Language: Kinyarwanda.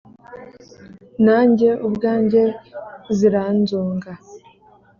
nange ubwange ziranzonga